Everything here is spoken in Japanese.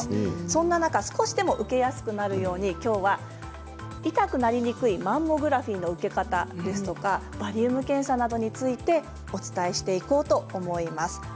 そんな中少しでも受けやすくなるようにきょうは痛くなりにくいマンモグラフィーの受け方バリウム検査などについてお伝えしていこうと思います。